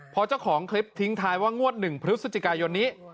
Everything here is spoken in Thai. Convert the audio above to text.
พอเจ้าของคลิปทิ้งท้ายว่างวด๑พฤศจิกายนนี้